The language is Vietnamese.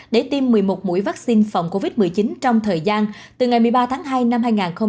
để tiêm một mươi một mũi vaccine phòng covid một mươi chín trong thời gian từ ngày một mươi ba tháng hai năm hai nghìn hai mươi